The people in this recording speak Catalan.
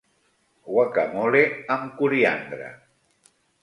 Guacamole amb coriandre.